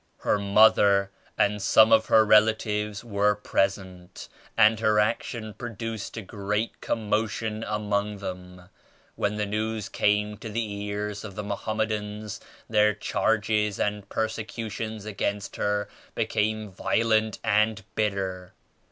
Her mother and some of her rela tives were present and her action produced a great commotion among them. When the news came to the ears of the Mohammedans, their charges and persecutions against her became vio lent and bitter.